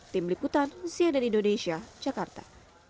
tim liputan zia dan indonesia jakarta